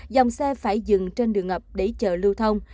dòng xe phải dừng trên đường ngập để chờ lưu thông